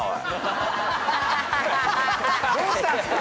・どうしたんすか？